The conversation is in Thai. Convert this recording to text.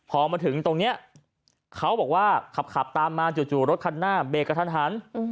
พอมาถึงตรงเนี้ยเขาบอกว่าขับตามมาจู่รถขนาดเบคก็ทัน